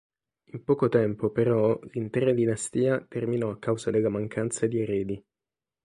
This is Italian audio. In poco tempo, però, l'intera dinastia terminò a causa della mancanza di eredi.